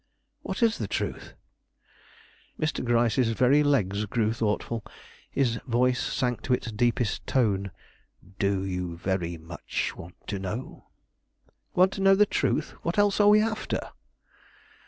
"What is the truth?" Mr. Gryce's very legs grew thoughtful; his voice sank to its deepest tone. "Do you very much want to know?" "Want to know the truth? What else are we after?"